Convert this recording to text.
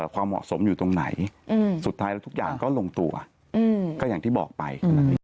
ความเหมาะสมอยู่ตรงไหนสุดท้ายแล้วทุกอย่างก็ลงตัวก็อย่างที่บอกไป